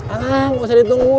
ah kok saya ditungguin